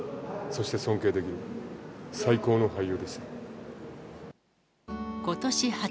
そして尊敬できる最高の俳優でした。